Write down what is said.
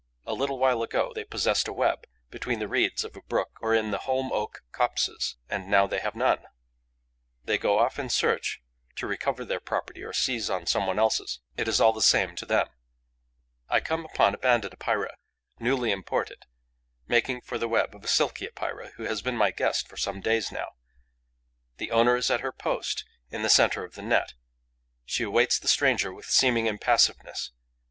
A little while ago, they possessed a web, between the reeds of a brook or in the holm oak copses; and now they have none. They go off in search, to recover their property or seize on some one else's: it is all the same to them. I come upon a Banded Epeira, newly imported, making for the web of a Silky Epeira who has been my guest for some days now. The owner is at her post, in the centre of the net. She awaits the stranger with seeming impassiveness.